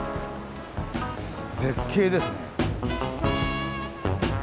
絶景ですね。